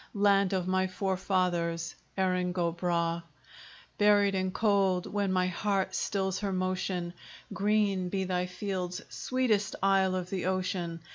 Land of my forefathers! Erin go bragh! Buried and cold, when my heart stills her motion, Green be thy fields, sweetest isle of the ocean!